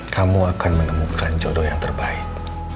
kamu akan menemukan jodoh yang terbaik